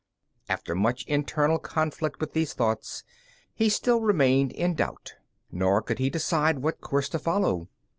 After much internal conflict with these thoughts, he still remained in doubt, nor could he decide what course to follow.